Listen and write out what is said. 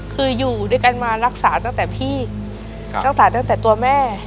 คืออยู่ด้วยกันมารักษาตั้งแต่พี่รักษาตั้งแต่ตัวแม่